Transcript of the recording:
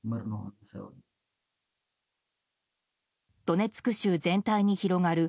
ドネツク州全体に広がる